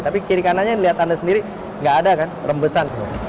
tapi kiri kanannya lihat anda sendiri tidak ada rembesan